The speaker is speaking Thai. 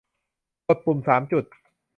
กดปุ่มสามจุด